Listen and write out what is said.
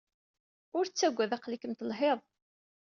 Ur ttaggad, aql-ikem telhid.